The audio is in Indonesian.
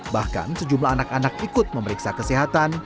bahkan sejumlah anak anak ikut memeriksa kesehatan